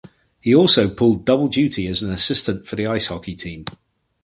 He also pulled double duty as an assistant for the ice hockey team.